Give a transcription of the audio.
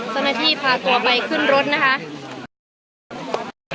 สนัทธีพาตัวไปขึ้นรถนะครับ